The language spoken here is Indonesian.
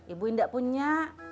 ibu tidak punya